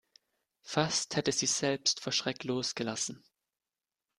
Fast hätte sie selbst vor Schreck losgelassen.